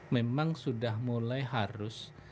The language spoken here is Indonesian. memang sudah mulai harus